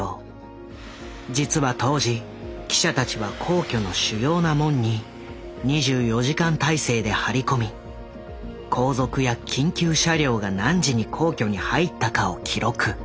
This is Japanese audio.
実は当時記者たちは皇居の主要な門に２４時間態勢で張り込み皇族や緊急車両が何時に皇居に入ったかを記録。